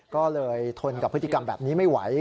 ก็เลยทนกับพฤติกรรมแบบนี้ไม่ไหว